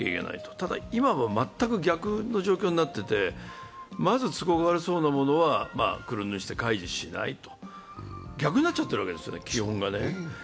ただ今は全く逆の状況になっていて、まず都合の悪そうなものは黒塗りして開示しないと逆になっちゃってるわけですね、基本が。